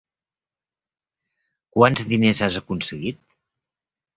Quants diners has aconseguit?